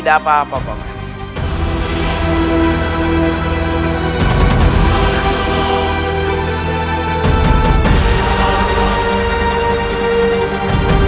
tidak apa apa pak